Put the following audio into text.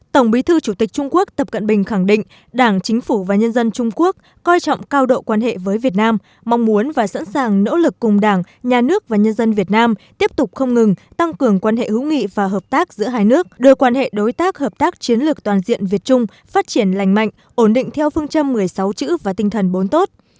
tổng bí thư chủ tịch trung quốc tập cận bình khẳng định đảng chính phủ và nhân dân trung quốc coi trọng cao độ quan hệ với việt nam mong muốn và sẵn sàng nỗ lực cùng đảng nhà nước và nhân dân việt nam tiếp tục không ngừng tăng cường quan hệ hữu nghị và hợp tác giữa hai nước đưa quan hệ đối tác hợp tác chiến lược toàn diện việt trung phát triển lành mạnh ổn định theo phương châm một mươi sáu chữ và tinh thần bốn tốt